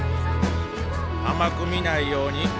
甘く見ないように。